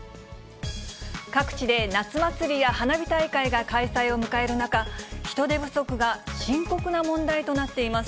各地で夏祭りや花火大会が開催を迎える中、人手不足が深刻な問題となっています。